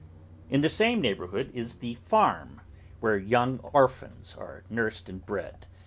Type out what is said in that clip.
In the same neighbourhood is the Farm, where young orphans are nursed and bred.